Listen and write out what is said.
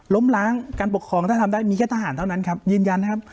ล้มล้างการปกครองถ้าทำได้มีแค่ทหารเท่านั้นครับยืนยันนะครับ